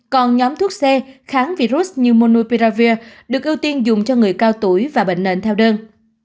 còn nhóm thuốc c kháng virus như monupiravir được ưu tiên dùng cho người cao tuổi và bệnh nền theo đơn